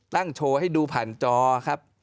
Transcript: โชว์ให้ดูผ่านจอครับ